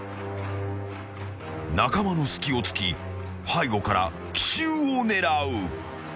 ［中間の隙をつき背後から奇襲を狙う］